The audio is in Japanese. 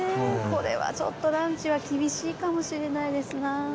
これはちょっとランチは厳しいかもしれないですな。